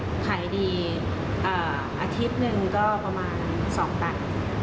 ขายดีอาทิตย์หนึ่งก็ประมาณ๒ตัน